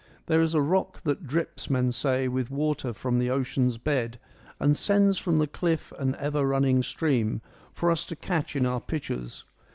' There is a rock that drips, men say, with water from the Ocean's bed and sends from the cliff an ever running stream, for us to catch in our pitchers.